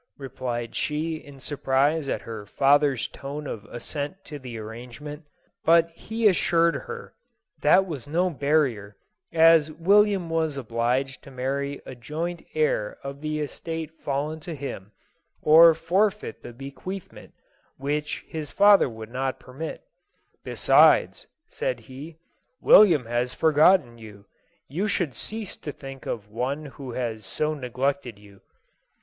..," replied she in surprise at her father's tone of assent to the ar rangement. But he assured her that was no barrier as William was obliged to marry a joint heir of the es tate fallen to him, or forfeit the bequeathment, which his father would not permit "Besides," said he, "William has forgotten you; you should cease •*> think of one who has so neglected you."